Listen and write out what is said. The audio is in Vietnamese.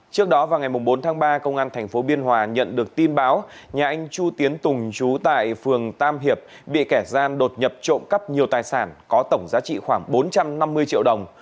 trước đó vào ngày bốn tháng ba công an tp biên hòa nhận được tin báo nhà anh chu tiến tùng trú tại phường tam hiệp bị kẻ gian đột nhập trộm cắp nhiều tài sản có tổng giá trị khoảng bốn trăm năm mươi triệu đồng